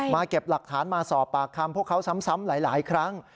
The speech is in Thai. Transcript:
เก็บหลักฐานมาสอบปากคำพวกเขาซ้ำหลายครั้ง